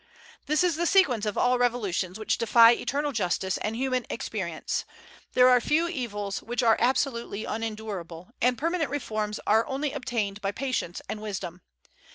This is the sequence of all revolutions which defy eternal justice and human experience. There are few evils which are absolutely unendurable, and permanent reforms are only obtained by patience and wisdom.